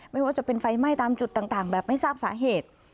ไม่ว่าจะเป็นไฟไหม้ตามจุดต่างแบบไม่ทราบสาเหตุ